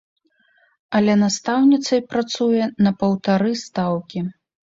Але настаўніцай працуе на паўтары стаўкі!